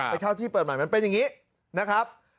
ไปเช่าที่เปิดใหม่มันเป็นอย่างอย่างนี้